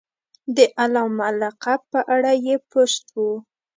د علامه لقب په اړه یې پوسټ و.